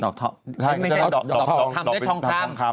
ดอกแต่ดอกถ่อทำได้ทองคำ